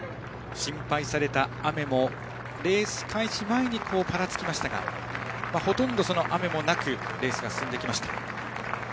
心配された雨もレース開始前にぱらつきましたがほとんどその雨もなくレースが進んできました。